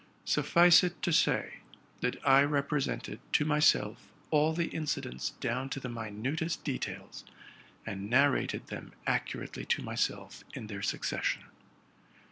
Suffice it to say, that I represented to my self all the incidents down to the minutest details, and nar rated them accurately to myself in their succession.